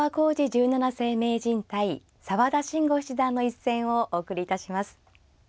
十七世名人対澤田真吾七段の一戦をお送りいたします。